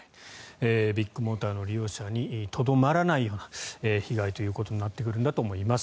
ビッグモーターの利用者にとどまらないような被害ということになってくるんだと思います。